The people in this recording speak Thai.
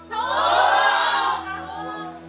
ถูก